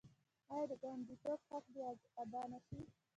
آیا د ګاونډیتوب حقونه دې ادا نشي؟